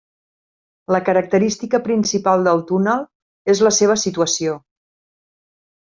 La característica principal del túnel és la seva situació.